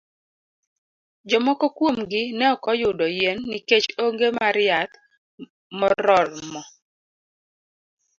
Jomoko kuom gi ne ok oyudo yien nikech onge mar yath morormo.